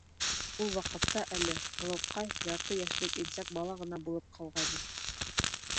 Ул ваҡытта әле Һылыуҡай ярты йәшлек имсәк бала ғына булып ҡалғайны.